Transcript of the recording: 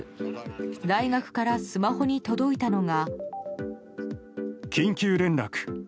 大学からスマホに届いたのが。